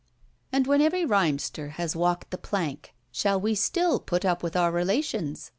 And when every rhymester has walked the plank, shall we still put up with our relations?